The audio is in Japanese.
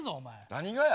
何がや？